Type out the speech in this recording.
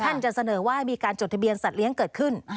ท่านจะเสนอว่ามีการจดทะเบียนสัตว์เลี้ยงเกิดขึ้น